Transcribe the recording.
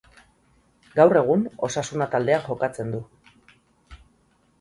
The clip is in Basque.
Gaur egun, Osasuna taldean jokatzen du.